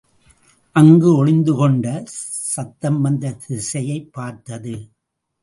அங்கு ஒளிந்துகொண்டே சத்தம் வந்த திசையைப் பார்த்தது.